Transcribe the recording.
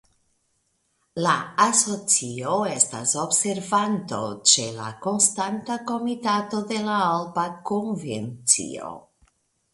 La asocio estas observanto ĉe la Konstanta Komitato de la Alpa Konvencio.